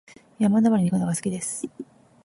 山登りに行くのが好きです。